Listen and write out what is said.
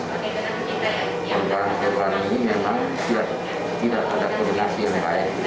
perubahan keluar ini memang tidak ada kombinasi yang baik